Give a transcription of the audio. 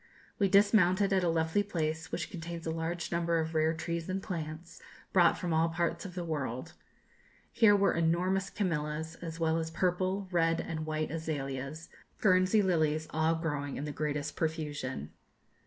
We dismounted at a lovely place, which contains a large number of rare trees and plants, brought from all parts of the world. Here were enormous camellias, as well as purple, red, and white azaleas, Guernsey lilies, all growing in the greatest profusion.